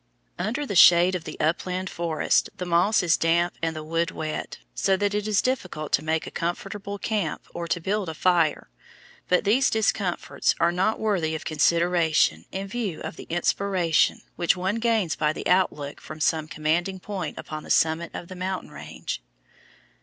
Under the shade of the upland forests the moss is damp and the wood wet, so that it is difficult to make a comfortable camp or to build a fire. But these discomforts are not worthy of consideration in view of the inspiration which one gains by the outlook from some commanding point upon the summit of the mountain range.